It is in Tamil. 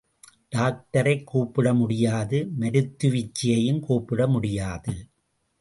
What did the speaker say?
டாக்டரைக் கூப்பிட முடியாது, மருத்துவச்சியையும் கூப்பிட முடியாது.